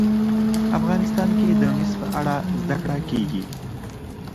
افغانستان کې د مس په اړه زده کړه کېږي.